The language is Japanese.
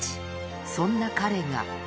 そんな彼が。